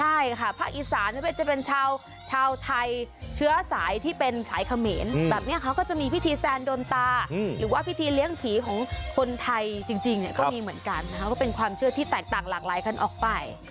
ใช่ค่ะภาคอีสานไม่ว่าจะเป็นชาวไทยเชื้อสายที่เป็นสายเขมรแบบนี้เขาก็จะมีพิธีแซนโดนตาหรือว่าพิธีเลี้ยงผีของคนไทยจริงก็มีเหมือนกันนะคะก็เป็นความเชื่อที่แตกต่างหลากหลายกันออกไป